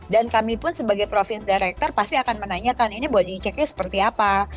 dan kami pun sebagai province director pasti akan menanyakan ini body checknya seperti apa